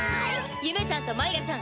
ゆめちゃんとまいらちゃん